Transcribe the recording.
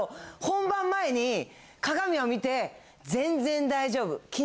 本番前に鏡を見て全然大丈夫。